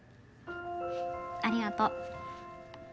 ありがとう。